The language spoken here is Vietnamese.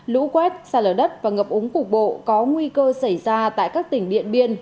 lũ quét xa lở đất và ngập úng cục bộ có nguy cơ xảy ra tại các tỉnh điện biên